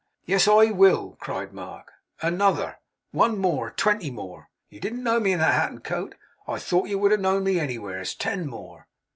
'Yes, I will!' cried Mark, 'another one more twenty more! You didn't know me in that hat and coat? I thought you would have known me anywheres! Ten more!